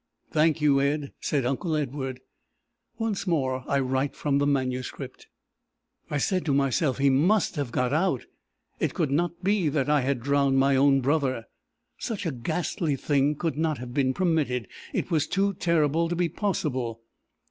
"Thank you, Ed!" said uncle Edward. Once more I write from the manuscript. "I said to myself he must have got out! It could not be that I had drowned my own brother! Such a ghastly thing could not have been permitted! It was too terrible to be possible!